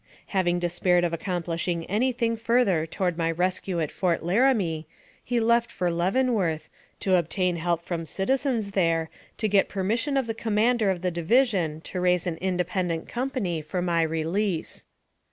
Having despaired of accomplishing any thing further toward my rescue at Fort Laramie, he left for Leaven worth, to obtain help from citizens there, to get permis sion of the commander of the division to raise an inde pendent company for my release.